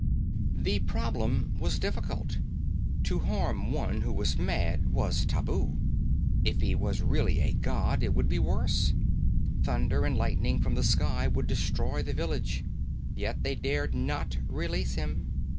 The problem was difficult. To harm one who was mad was tabu. If he was really a god, it would be worse. Thunder and lightning from the sky would destroy the village. Yet they dared not release him.